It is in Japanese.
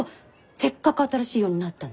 せっかく新しい世になったのに。